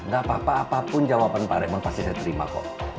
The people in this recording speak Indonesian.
gak apa apa apapun jawaban pak reman pasti saya terima kok